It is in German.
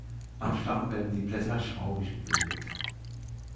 Am Stamm werden die Blätter schraubig gebildet.